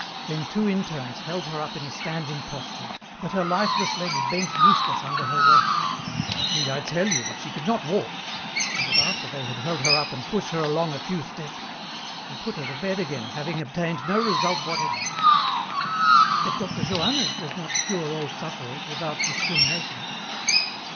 Then two interns held her up in a standing posture, but her lifeless legs bent useless under her weight. Need I tell you that she could not walk, and that after they had held her up and pushed her along a few steps, they put her to bed again, having obtained no result whatever." "But Dr. Johannès does not cure all sufferers, without discrimination?"